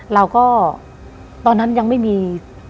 เราก็ตอนนั้นยังไม่มี